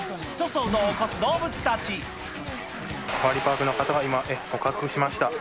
サファリパークの方が今、捕獲しました。